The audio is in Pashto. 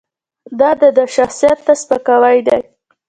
دا د ده شخصیت ته سپکاوی دی.